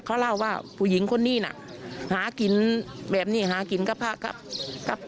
เขาเล่าว่าผู้หญิงคนนี้น่ะหากินแบบนี้หากินกับพระครับ